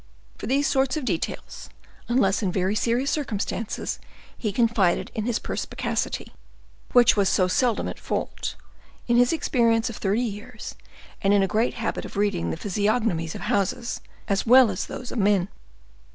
For these sorts of details, unless in very serious circumstances, he confided in his perspicacity, which was so seldom at fault, in his experience of thirty years, and in a great habit of reading the physiognomies of houses, as well as those of men.